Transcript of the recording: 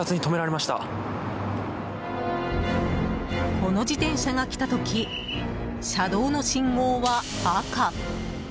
この自転車が来た時車道の信号は赤。